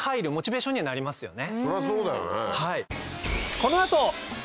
そりゃそうだよね。